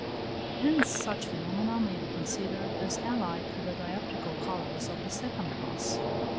Hence such phenomena may be considered as allied to the dioptrical colours of the second class.